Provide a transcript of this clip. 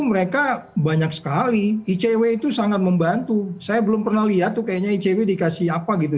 mereka banyak sekali icw itu sangat membantu saya belum pernah lihat tuh kayaknya icw dikasih apa gitu